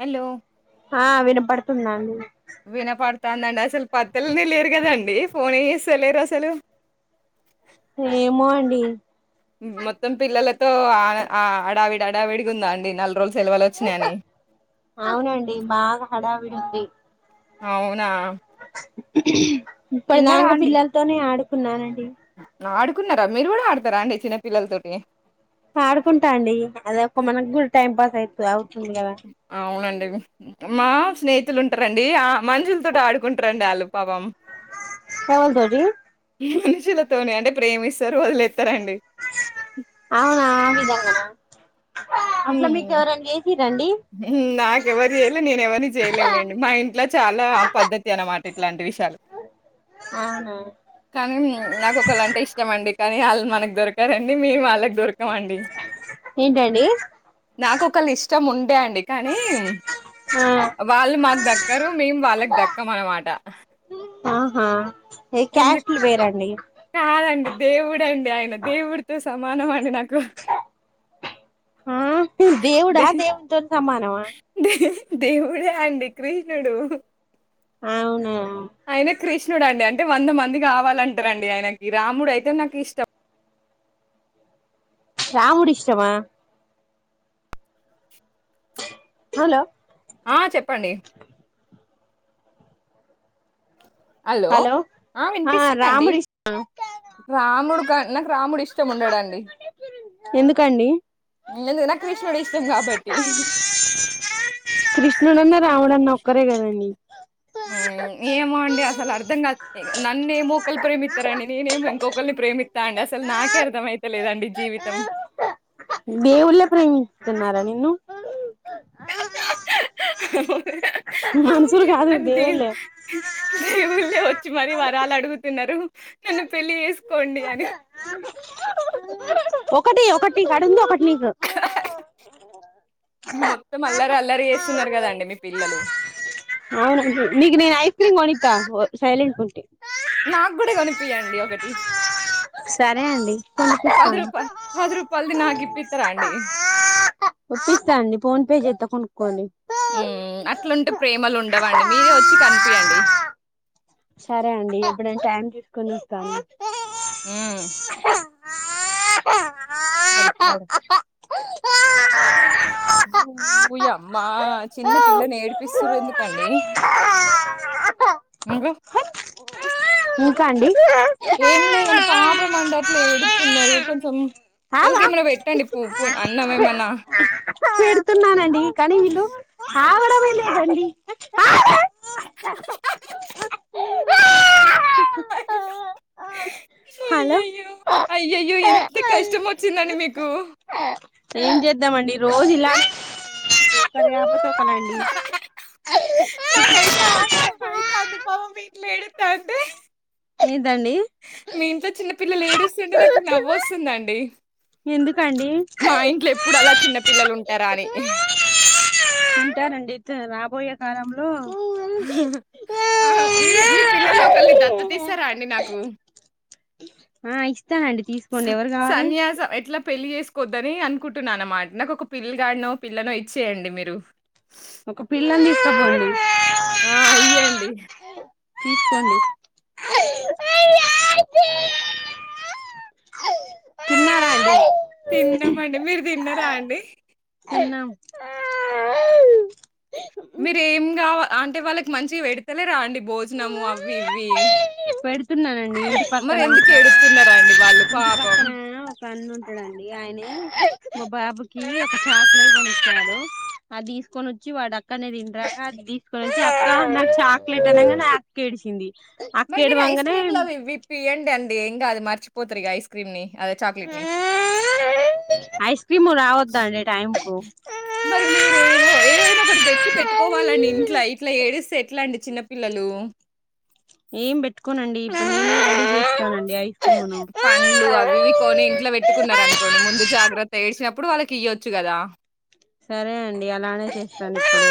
Hello ఆ వినపడుతుందండి. వినపడుతాందండి అసలు పద్దలనే లేరు కదండి ఫోన్స్తలేరు అసలు ఏమో అండి ఉ మొత్తం పిల్లలతో ఆడ అడావిడ్ డాడవిడిగుందా అండి నాలుగు రోజులు సేలవలో వచ్చినాయని అవునండి బాగా హడావిడి ఉంది అవునా ఉఊమ్ ఇప్పుడు తిన్నారా దాంగ అండి పిల్లలతోనే ఆడు కున్నానన్ ఉ ఆడుకున్నారా మీరు కూడా ఆడతారా అండి చిన్నపిల్లలతోటి ఆడుకుంటా అండి అద ఒక మనకు కూడా టైం పాస్ టై క్లావ్ ఉందిగద అవునండి మా స్నేహితులు ఉంటారండి ఆ మంజుల తో ఆడుకుంటారంండి ఆల్లు పాపం ఎవన్ తోటి మనుషులతోనే అంటే ప్రేమిస్తారు వాది అవునా ఆ విధంగా నా చేసిరండి నాకెవరు చేయలే నేను ఎవరిని చేయలేలేండి మా ఇంట్లో చాలా పద్ధతి అనమాట ఇట్లాంటి విషయాలు అవునా కానీ నాకు ఒకళ్ళ అంటే ఇష్టం అండి కానీ వాళ్ళు మనకు దొరకారం మీ మాలగ దుర్కమండడి ఏంటండి నాక ఒకళ ఇష్టం ఉంటే అండి కానీ ఆ వాళ్ళు మాకు దక్కరు మేము వాళ్ళకి దక్కం అన్నమాట ఆహా ఏ క్యాస్ట్లు వేరండి కాదండి దేవుడుండి ఆయన దేవుడితో సమానం అండి నాకు ఆ దేవుడా దేవుతో సమాన వా దేవుడుే అండి కృష్ణుడు అవునా అయిన కృష్ణుడు అడి అంట అయితే వంద మంది కావాలంటారండి ఆయనకి రాముడు అయితే నాకు ఇష్టం రాముడి ఇష్టమా హలో ఆ చెప్పండి హలో ఆ వినిపిస్తుందండి రాముడు నాకు రాముడు ఇష్టం ఉండడండి ఎందుకండి ఎందుకు నాకు కృష్ణుడు ఇష్టం కాబట్టి. కృష్ణుడున్నా రాముడున్న ఒక్కరే కదండి ఏమో అండి అసలు అర్థం కాదు నన్నేమ ఒకని ప్రేమిస్తారండి నేనేమి ఇంకొకరిని ప్రేమిస్తా అండి అసలు నాకే అర్థంమయితలేదండి జీవితం దేవుళ్ళ ప్రేమిస్తున్నారాణను అవునండి. మన్సూర్కి అరు నన్ను దేవు దేవులే దేవుళ్ళే వచ్చి మరి వారళు అడుగుతున్నారు నన్ను పెళ్లి చేేసుకోండి అని ఒకటి ఒకటి కడుంద ఒకటి మీ మొత్తం అల్లరి అల్లరి చేస్తున్నారు కదండి మీ పిల్లలు అవునండి నగ నేను ఐస్ క్రీమ్ కొణితా సైలెంట్ ముంటటి నాకు కూడా కనిపిించండి ఒకటి సరే అండి పది కొనిపిస్తాను రూపాయ పది రూపాయలది నాకు ఇప్పిస్తార అండి ఫన్ కని ఉ అట్లుంటే ప్రేమలు ఉండవండి, మీరే ఒచ్చి కన్పియండి. సరే అండి, ఎప్పుడ టైం చూసుకొని ఒస్తాను. ఊ. హ అహ ఓయమ్మా చిన్న పిల్లనేడిపిస్తురెందుకండి. !? ఇంగా. ఇంకా అండి?. ఏం లేదండి, పాపం అండి, ! అట్లా ఏడుత్తున్నారు కొంచెం ఆగా వాళ్ళ్కెమన్నా పెట్టండి పొ పొ అన్నం ఏమన్నా. పెడుతున్నానండి కానీ వీళ్ళు [unintelligible] హలో అయ్యయ్యో, అయ్యయ్యో ఎంత కష్టమొచ్చిందండి మీకు.? ! ఏం జేద్దామండి రోజూ ఇలానే. [unintelligible] ఆహాఆహాఆహా నాకైతే ఆనందమైతంది పావి. ఈలేడుతాండే. ఏంటండి మీ ఇంట్లో చిన్నపిల్లలేడుస్తుంటే నాకు నవ్వొస్తుందండి. ఎందుకండి.? మా ఇంట్లో ఎప్పుడు అలా చిన్న పిల్లలు ఉంటారా అని తారండి తా రాబోయే కాలంలో. అహహా! ఆహా మీ మీ పిల్లల్నొకల్ని దత్తతిస్తారా అండి నాకు. !? ఆ ఇస్తా అండి తీసుకోండి. ఎవరు గావాలె.? కొద్దని అన్కుంటున్నా అన్నమా నాకొక పిల్ల్గాన్నో పిల్లనో ఇచ్చేయండి మీరు. ! ఒక పిల్లన్దిస్కబొండి. ఆ ఇయ్యండి. తీస్కోండి. తిన్నారా అండి.? తిన్నామండి. మీరు దిన్నర్. రా అండి. తిన్నాం. మీరెంగావ అంటే వాళ్ళకి మంచి పెడతలేరా అండి భోజ్నము అవ్ని ఇవ్ని. !? పెడుతున్నానం. నీటి పక్కన ఒక, ఏడుతున్నారండి వాళ్ళు ఇంటి పాపం? పక్కనయనా ఒక అన్నుంటడండి ఆయనే. మా బాబుకి ఒక చాక్లెట్ కొనిచ్చాడు, అదిసుకొనొచ్చి వాడు అక్కనే దిన్రాక అదిసుకొచ్చి, అక్క నా చాక్లెట్ అనంగనే అకెడిసింది. మరి మీరు ఆఐస్క్రీమ్లవి విప్పియండి‌ అన్. ఎంగాదు మర్చిపోత్రిగా ఐస్క్రీమ్ని. అదే చాక్లేట్ని. ఐస్క్రీము రావొద్ద అండి టైమ్కు.? ! మరి మీరేమో ఏవైనా ఒకటి దెచ్చి పెట్టుకోవాలండి ఇంట్లా. ! ఇట్లా ఏడిస్తే ఎట్లాండి.? ఏం బెట్టుకోనండి. ! అన్ని రెడీజెస్కొనండి ఐ. పండ్లు అవి ఇవి కొని ఇంట్లో పెట్టుకున్నారు అనుకోండి ముందు జాగ్రత్త ఏడ్చిన ప్పుడు వాళ్ళకి ఇయ్యొచ్చు కదా సరే అండి అలానే చేస్తానిప్పుడు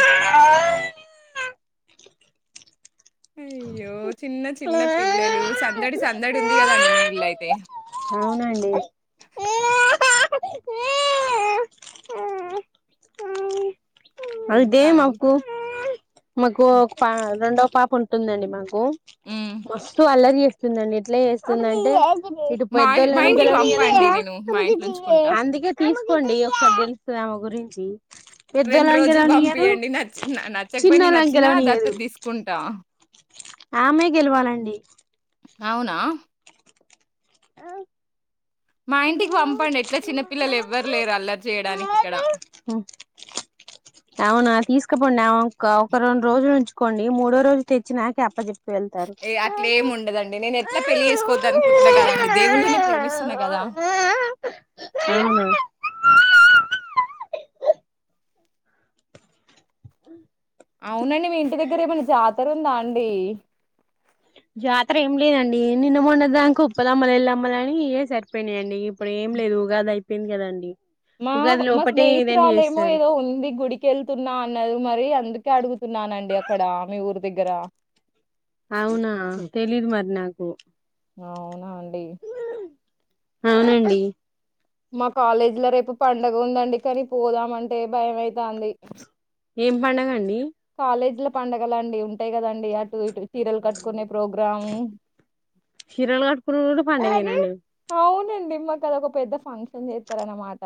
అయ్యో చిన్న చిన్న ఇప్పుడు పిల్లలు సందడి సందడి ఉంది కదండి మీ ఇల్లై తే అవునండి అది ఇంకా అండి? దేమాకు మకు హ్మ్. ఒక పి రెండో పాప ఉంటుందండి మా కు హ్మ్. మస్తు అల్లరి చే స్తుందండి ఎట్లా చేస్తుందంటే ఇటు మా మా పెద్దోళ్ళని ఇంటికి పంపండి గెలవనియ్య నేను మా ఇంట్లో ఉంచుకుంటా. [inaudible] అందుకే తీసుకోండి ఒకసారి తెలుత్తది ఆమె గురించి పెద్దోళ్ళని లు గెలవనీయదు పంపియ్యండి నచ్చి నచ్చకపోయినా చిన్నోళ్ళని నచ్చినా దత్తత తీసుకుంటా [unintelligible] ఆమే గెలవాలండి అవునా [inaudible] మా ఇంటికి పంపండి ఎట్లా చిన్నపిల్లలు ఎవ్వరు లేరు అల్లరి చేయడానికి ఇక్కడ ఇకపోండి నా ఒక రెండు రోజులు ఉంచుకోండి మూడో రోజు తెచ్చి నాకే అప్పజెప్ ఏ అట్లేం ఉండదండి నేను ఎట్లా పెళ్లి చేసుకోవద్దు అనుకుంటున్నా కదాండి దేవుళ్ళనే ప్రేమిస్తున్నా కదా అవునా [inaudible] అవునండి మీ ఇంటి దగ్గర ఏమన్నా జాతర ఉందా అండీ జాతర ఏం లేదండి నిన్నమొన్న దాంకా ఉప్పలమ్మలు ఎల్లమ్మలు అని ఇవే సరిపోయినాయండి ఇప్పుడు ఏం లేదు ఉగాదై పొయింది కదండీ మా మా స్నేహితురాలేమో ఏదో ఉంది గుడికెళ్తున్నా అన్నది మరి అందు కే అడుగుతున్నానండి అక్కడ మీ ఊరు దగ్గర అవునా తెలీదు మరి నాకు అవునా అండి అవునండి మా కాలేజి లో రేపు పండుగ ఉందండి కానీ పోదామంటే భయమైతాంది ఏం పండగ అండి కాలేజ్ లో పండగలు అండి ఉంటాయి కదండి అటు ఇటు తీరలు కట్టుకునే ప్రోగ్రాము. చీరలు కట్టుకునుడు కూడా పండగేనాండీ [inaudible] అవునండి మాకది ఒక పెద్ద ఫంక్షన్ చేస్తారన్నమాట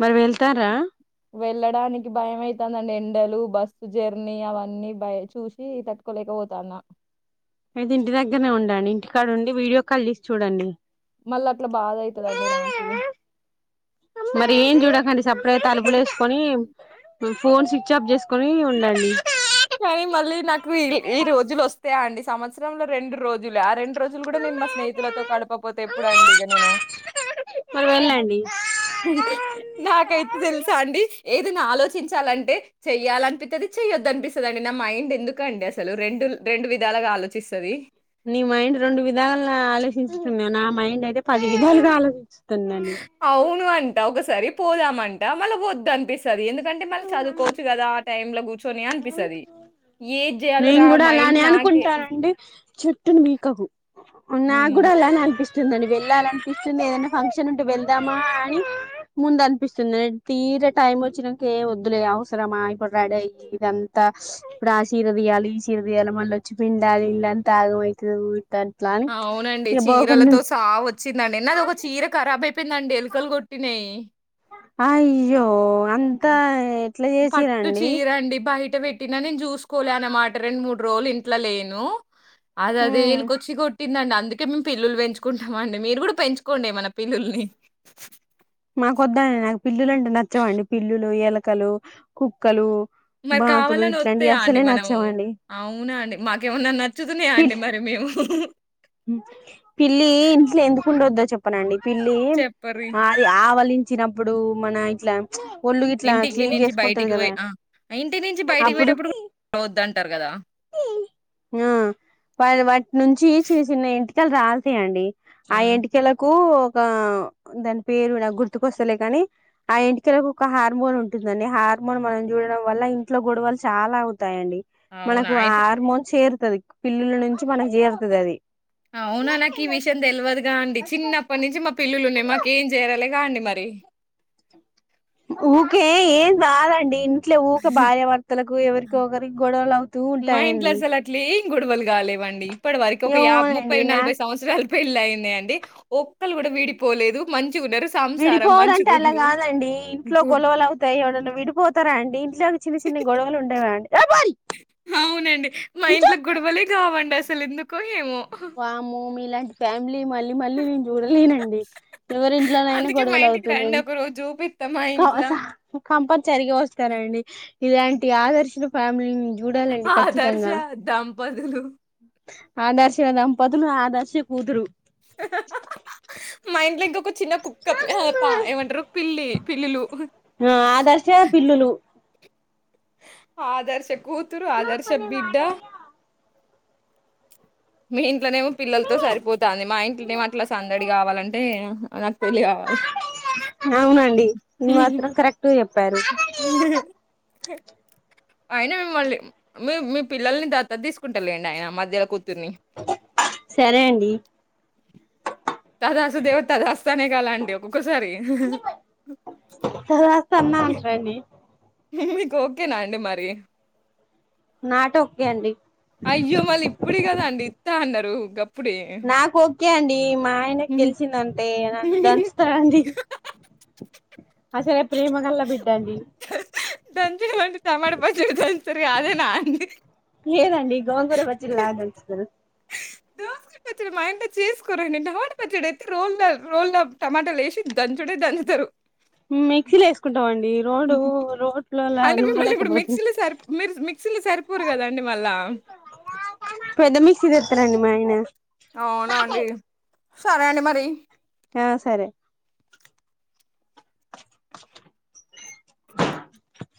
మరి వెళ్తారా వెళ్ళడానికి భయమైతందండి ఎండలు బస్సు జర్నీ అవన్నీ భయ చూసి తట్టుకోలేకపోతాన్నా అయితే ఇంటి దగ్గరనే ఉండండి ఇంటికాడ ఉండి వీడియో కాల్ చేసి చూడండి మళ్ళ అట్లా బాధ అయితదండి నాకు మరి ఏం చూడకండి సపరేట్ తలుపులు వేసుకొని ఫోన్ స్విచ్ ఆఫ్ చేసుకుని ఉండండి కానీ మళ్ళీ నాకు ఈ ఈ రోజులు వస్తాయా అండి సంవత్సరంలో రెండు రోజులే ఆ రెండు రోజులు కూడా నేను మా స్నేహితులతో గడపకపోతే ఎప్పుడు అండి ఇక నేను మరి వెళ్ళండి నాకై తెలుసా అండి ఏదన్నా ఆలోచించాలంటే చెయ్యాలనిపిత్తది చెయ్యొద్దు అనిపిస్ త్తదండి నా మైండ్ ఎందుకండి అసలు రెండు రెండు విధాలుగా ఆలోచిస్తది నీ మైండ్ రెండు విధాలు ఆలోచించుతున్నా నా మైండ్ అయితే పది విధాలుగా ఆలోచించ అవును అంట ఒకసారి పోదామంట మళ్ళీ వద్దు అనిపిస్తది ఎందుకంటే మళ్ళ చదువుకోవచ్చు కదా టైమ్ల కూచోని అనిపిస్ నేను కూడా మైండ్ అలానే నాకే అనుకుంటానండి చెట్టును పీకకు నాకు హ్మ్ కూడా అలానే అనిపిస్ వందండి వెళ్ళాలనిపిస్తుంది ఏదనా ఫంక్షన్ ఉంటే వెళ్దామా అని ముందు అనిపిస్తుంది తీర టైం వచ్చినాంక ఏ వద్దులే అవసరమా ఇప్పుడు రడయి ఇద తనఇప్పుడు ఆ చీర తియ్యాలి ఈ చీర తియ్యాలి మల్లొచ్చి పిండాలి ఇదంతా ఆగం అయితది ఊర్కన్ అవునండి చీరలతో సావో చ్చిందండి నాది ఒక చీర కరాబ్ [unintelligible] చెప్పిందండి ఎలుకలు కొట్టినాయి అయ్యో అంతా ఎట్లా చేసిరండి ట పెట్టినా నేను చూసుకోలే అనమాట రెండు మూడు రోజులు ఇంట్లో లేను అద అదే ఏల్ ఉమ్ కొచ్చి కొట్ందం అందుకే మేము పిల్లులు పెంచుకుంటామ్ అండి మీరు కూడా పెంచుకోండి పిల్లుల్ని మాకొద్దండి నాకు పిల్లులు అంటే నచ్చవండి పిల్లులు ఎలకలు కుక్కలు మరి బాతులు కావాలని ఇట్లాంటివి వత్తయ అండి అస్సలే మనము నచ్చవండి అవునా అండి మాకేమన్నా పిల్ నచ్చుతున్నాయాండి మరి మేము పిల్లి ఇంట్లో ఎందుకుండొద్దో చెప్పన అండి పిల్లి చెప్పరి. అది ఆవలి చినప్పుడు మన ఇట్లా ఒళ్ళు ఇట్లా ఇంటికి క్లీన్ నుంచి చేసుకుంటది బయటికి కదా పోయి ఆ! ఇంటి నుంచి బయటికి అప్పుడు పోయేటప్పుడు గూడా వద్దంటారు గదా! ఆ వా వాటి నుంచి ఎంటికలు రాలుతాయి అండి ఆ హ్మ్. ఎంటికలకూ ఒక దాని పేరు నాకు గుర్తుకొస్తలే కాని ఆ ఇంటికలకు ఒక హార్మోన్ ఉంటుందండి హార్మోన్ మనం చూడడం వల్ల ఇంట్లో గొడవలు చాలా అవు తాయండి అవునా! మనకు అయి హార్మోన్స్రు పిల్లుల నుంచి మనకి చేరుతుంది అది అవునా నాకు ఈ విషయం తెల్వదు గా అండి చిన్నప్పటి నుంచి మా పిల్లులున్నాయి మాకేం చేయలే కా అండి మరి ఊకే ఏన్ దదండిన్ ఇట్లే ఊ భార్యవర్తలకు ఎవరికి ఒకరి గొడవలు అవుతూ మా ఇంట్లో ఉంటాయండి అసలట్లేం గొడవలు కాలేవండి ఇప్పటి వరకి ఒక యా ముప్పై ఏమోనండి నాకు నలభై సంవత్సరలు పెళ్ళ అయింది అండి క్కలు కూడా వీడిపోలేదు మంచి విడిపోవడంంటే అలా కాదండి ఇంట్లో గుడ్ గొలువలు అవుతాయి ఎవడైనా విడిపోతారా అండి ఇకు చిన్న గ గుడవలు ఉండేండి అవునండి మా ఉంచో ఇంట్లో గుడవలే కావండి అసలు ఎందుకు ఏమో వామ్మో మీ లాంటి ఫ్యా మళ్ళీ మళ్ళీ నేను చూడలేనండి ఎవరి ఇంట్లోనైనా అందుకే మా గొడవలు ఇంటికి అవుతున్నాయి రండి ఒకరోజు జూపిత్తా మా ఇంట్ల కంపల్సరిగా వస్తారండి ఇలాంటి ఆదర్శన ఫ్యామిలీని చూడాలండి ఆదర్శ ఖచ్చితంగా దంపతులు ఆదర్శ దంపతులు ఆదర్శ కూతురు మైండ్ల్గా చిన్న కుక్క పా ఏమంటారు పిల్లి పిల్లులు ఆ ఆదర్శ పిల్లులు ఆదర్శ కూతురు ఆదర్శ బిడ్డ మె ఇట్లనేమో పిల్లలతో సరిపోతుంది మా ఇంట్లోనేో అట్లా సందడి కావాలంటే నాకు పెళ్ళి కావాలి అవునండి ఇది మాత్రం కరెక్ట్ గా చెప్పారు అయినా మిమ్మల్ళని మీ మీ పిల్లల్ని దత్తత తీసుకుంటాలేండి ఆయన మధ్యలో కూతుర్ని. సరే అండి తదాసు దేవ తదాస్తానే కాాలా అంటిడి ఒక్కొక్కసారి సన్నా అంట్రని మీకు ఓకే నా అండి మరి నాట్ ఒకే అండి. అయ్యో మలి ఇప్పుడు కదా అండి ఇత్త అన్నారు గ నాకు ఒకే అం డి మా ఆయనకు గెల్సింద్ అంటే నన్ను దంచుతానండి ఆ సరే ప్రేమ గల్లా బిడ్డండి దన్ [unintelligible] తమట పచ్చడి దంచుతార్ అదే నా అండి లేదండి గోంగూర పచ్చడి లాగా దంచుతారు దోసకై పచ్చడి మా ఇంట్లో చేసుకోరు అండి టమాటా పచ్చడి అయితే రోల్ రోల్ టమాటాలు వేసి దంచుడే దంచుతారు. మిక్సీలో వేసుకుంటాం అండి రోడ్డు రోట్లలా అంటే మిమ్మల్ని ఇప్పుడు నూరలేకపోతుంది మిక్సీలు సరిపో మీర్ మిక్సీలో సరిపోరు కదాండి మళ్ళా క్సి [unintelligible] అండి మా అయనా అవునా అండి సరే అండి మరి ఆ సరే